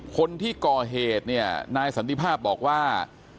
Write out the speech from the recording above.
คนที่ก่อเหตุเนี่ยนายสันติภาพบอกว่า